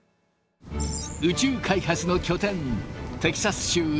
宇宙開発の拠点